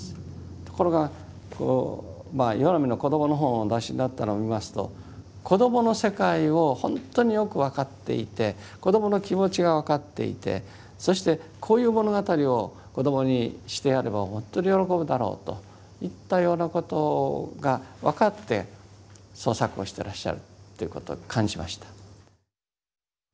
ところが岩波の子どもの本をお出しになったのを見ますと子どもの世界をほんとによく分かっていて子どもの気持ちが分かっていてそしてこういう物語を子どもにしてやればほんとに喜ぶだろうといったようなことが分かって創作をしてらっしゃるということを感じました。